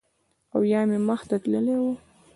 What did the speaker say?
او یا مې مخ ته تللی و